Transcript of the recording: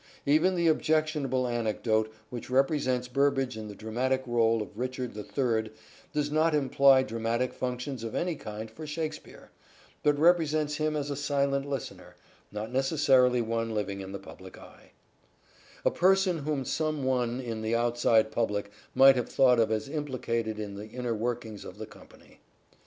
Even the objectionable anecdote which represents Burbage in the dramatic role of Richard the Third does not imply dramatic functions of any kind for Shakspere, but represents him as a silent listener, not necessarily one living in the public eye : a person whom some one in the outside public might have thought of as implicated in the inner workings of the company.